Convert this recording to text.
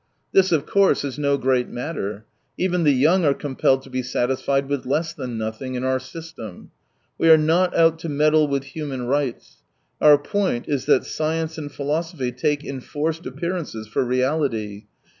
This, of course, is no great matter : even the young are compelled to be satisfied with less than nothing, in our system. We axe not out to meddle with human rights. Our point is that science and philosophy take enforced appearances for reality.